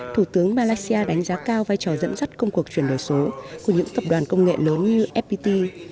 thủ tướng malaysia đánh giá cao vai trò dẫn dắt